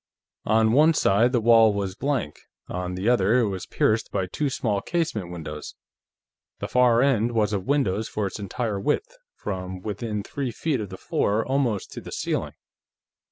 On one side, the wall was blank; on the other, it was pierced by two small casement windows. The far end was of windows for its entire width, from within three feet of the floor almost to the ceiling.